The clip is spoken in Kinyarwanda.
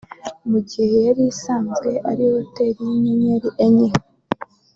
Mu gihe yari isanzwe ari Hoteli y’inyenyeri enye